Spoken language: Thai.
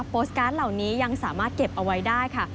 โพสต์การ์ดเหล่านี้ยังสามารถเก็บเอาไว้ได้ค่ะ